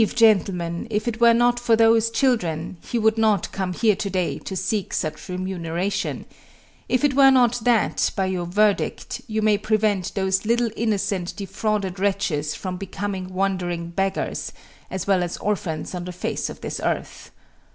Believe, gentlemen, if it were not for those children, he would not come here to day to seek such remuneration; if it were not that, by your verdict, you may prevent those little innocent defrauded wretches from becoming wandering beggars, as well as orphans on the face of this earth.